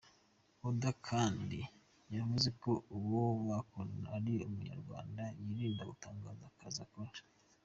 Oda kandi yavuze ko uwo bakundana ari umunyarwanda yirinda gutanga akazi akora.